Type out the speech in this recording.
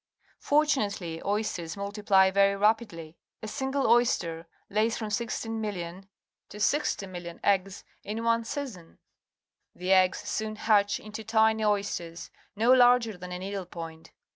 Fortunately, oysters multipl}^ very rapidlj'. A single oj^ster lays from 16, 000, 000 to 60,000,000 eggs in one season. The eggs soon hatch into tiny oysters no larger than a needle point.